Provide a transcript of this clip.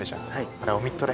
あれオミットで。